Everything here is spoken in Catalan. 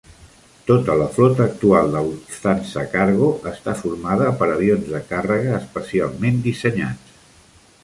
Tota la flota actual de Lufthansa Cargo està formada per avions de càrrega especialment dissenyats.